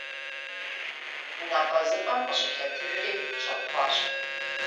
НапӀэзыпӀэм къыщылъэтыжри, щӀэпхъуащ.